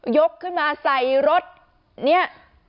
ยกขึ้นมาใส่รถเนี่ย